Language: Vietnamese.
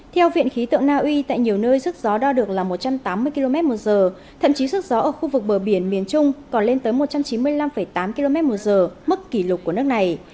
theo viện khí tượng naui tại nhiều nơi sức gió đo được là một trăm tám mươi km một giờ thậm chí sức gió ở khu vực bờ biển miền trung còn lên tới một trăm chín mươi năm tám km một giờ mức kỷ lục của nước này